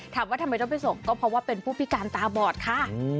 ทำไมต้องไปส่งก็เพราะว่าเป็นผู้พิการตาบอดค่ะ